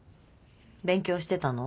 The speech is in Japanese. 勉強してたの？